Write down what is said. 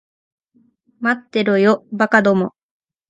待ってろよ、馬鹿ども。